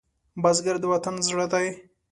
بزګر د وطن زړه دی